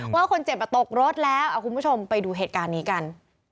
ว่าคนเจ็บตกรถแล้วเอาคุณผู้ชมไปดูเหตุการณ์นี้กัน